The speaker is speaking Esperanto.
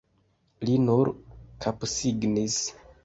Li nur kapsignis.